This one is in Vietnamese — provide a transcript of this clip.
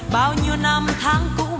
bao nhiêu năm tháng cũ